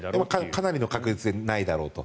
かなりの確率でないだろうと。